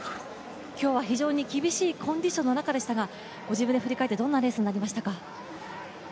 今日は非常に厳しいコンディションの中でしたがご自分で振り返ってどんなレースになりましたか？